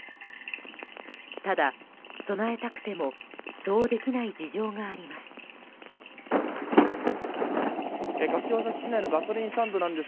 ただ備えたくてもそうできない事情があります。